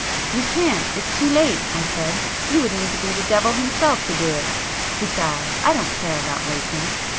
"You can't; it's too late," I said. "You would need to be the devil himself to do it. Besides I don't care about racing."